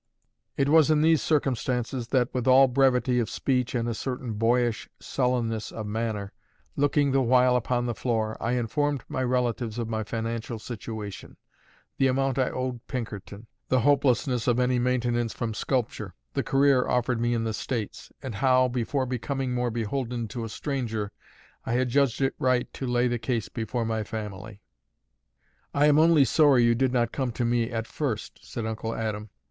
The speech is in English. It was in these circumstances that, with all brevity of speech and a certain boyish sullenness of manner, looking the while upon the floor, I informed my relatives of my financial situation: the amount I owed Pinkerton; the hopelessness of any maintenance from sculpture; the career offered me in the States; and how, before becoming more beholden to a stranger, I had judged it right to lay the case before my family. "I am only sorry you did not come to me at first," said Uncle Adam.